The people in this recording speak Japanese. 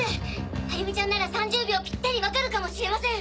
歩美ちゃんなら３０秒ピッタリ分かるかもしれません！